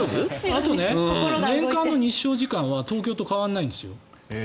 あと年間の日照時間は東京と変わらないんですよ。